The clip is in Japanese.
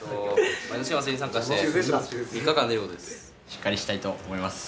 しっかりしたいと思います。